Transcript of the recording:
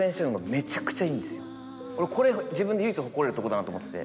これ自分で唯一誇れるとこだなと思ってて。